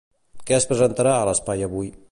Què es presentarà a l'espai Avui?